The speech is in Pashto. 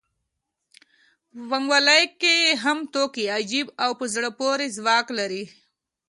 په پانګوالۍ کې هم توکي عجیب او په زړه پورې ځواک لري